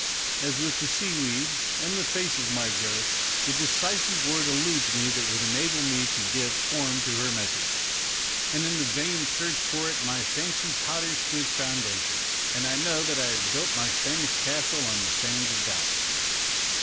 As with the sea weed, and the face of my ghost, the decisive word eludes me that would enable me to give form to her message ; and in the vain search for it my fancy totters to its founda 140 MONOLOGUES tion, and I know that I have built my Spanish castle on the sands of doubt.